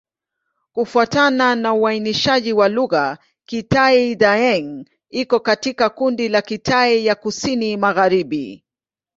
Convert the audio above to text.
Kufuatana na uainishaji wa lugha, Kitai-Daeng iko katika kundi la Kitai ya Kusini-Magharibi.